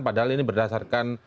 padahal ini berdasarkan